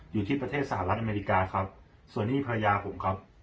อยู่ที่ประเทศสหรัฐอเมริกาครับส่วนนี้ภรรยาผมครับ